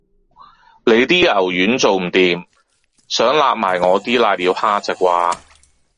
你啲牛丸做唔掂，想擸埋我啲攋尿蝦咋啩